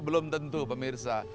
belum tentu pemirsa